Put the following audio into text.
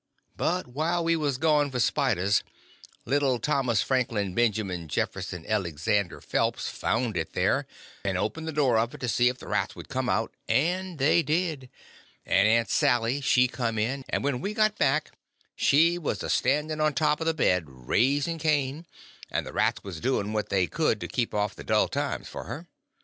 But while we was gone for spiders little Thomas Franklin Benjamin Jefferson Elexander Phelps found it there, and opened the door of it to see if the rats would come out, and they did; and Aunt Sally she come in, and when we got back she was a standing on top of the bed raising Cain, and the rats was doing what they could to keep off the dull times for her.